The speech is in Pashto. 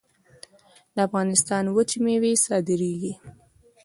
د افغانستان وچې میوې صادرېدې